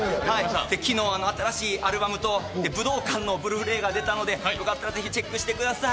昨日、新しいアルバムと、武道館のブルーレイが出たので、よかったらぜひチェックしてください。